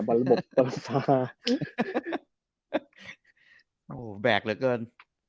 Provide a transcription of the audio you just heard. แบกเหลือเกิน